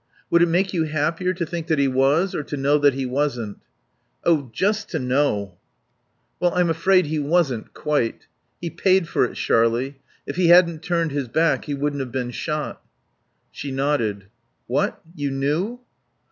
"Would it make you happier to think that he was or to know that he wasn't?" "Oh just to know." "Well, I'm afraid he wasn't, quite.... He paid for it, Sharlie. If he hadn't turned his back he wouldn't have been shot." She nodded. "What? You knew?"